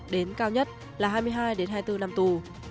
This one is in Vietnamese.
đến cao nhất là hai mươi hai hai mươi bốn năm tù